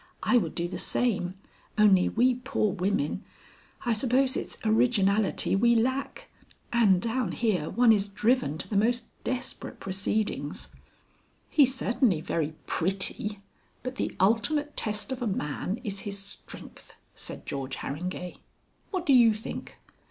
I would do the same, only we poor women I suppose it's originality we lack And down here one is driven to the most desperate proceedings " "He's certainly very pretty. But the ultimate test of a man is his strength," said George Harringay. "What do you think?"